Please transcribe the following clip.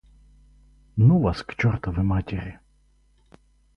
Ну вас к чертовой матери